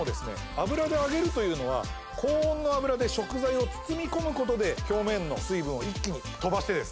油で揚げるというのは高温の油で食材を包み込むことで表面の水分を一気に飛ばしてですね